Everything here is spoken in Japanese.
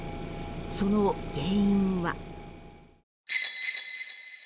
その原因は。